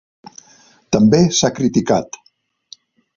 També s'ha criticat.